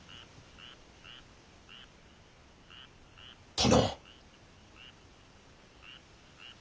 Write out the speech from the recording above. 殿。